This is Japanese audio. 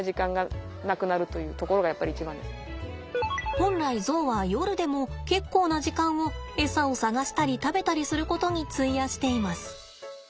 本来ゾウは夜でも結構な時間をエサを探したり食べたりすることに費やしています。